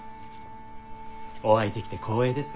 お会いできて光栄です。